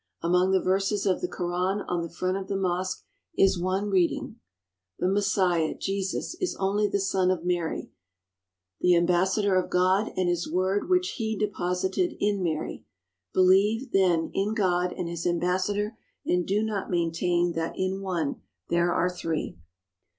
Among the verses of the Koran on the front of the mosque is one reading: The Messiah, Jesus, is only the son of Mary, the Ambassador of God, and His word which He deposited in Mary. Believe, then, in God and His Ambassador, and do not maintain that in one there are three.